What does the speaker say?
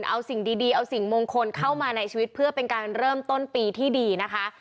เอาสิ่งดีเอาสิ่งมงคลเข้ามาในชีวิตเพื่อเป็นการเริ่มต้นปีที่ดีนะคะ